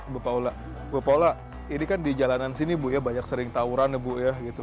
bu paula bu paula ini kan di jalanan sini bu ya banyak sering tawuran ya bu ya gitu